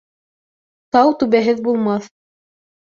Тау түбәһеҙ булмаҫ.